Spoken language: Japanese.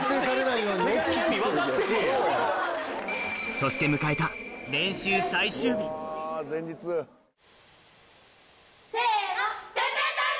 そして迎えた練習最終日・せの！